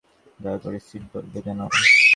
দয়া করে seat belt বেঁধে নাও।